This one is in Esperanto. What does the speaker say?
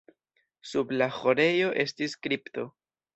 Sub la ĥorejo estis kripto.